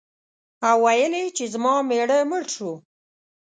او ویل یې چې زما مېړه مړ شو.